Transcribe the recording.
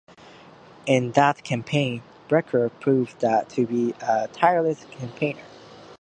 In that campaign, Bricker proved to be a tireless campaigner.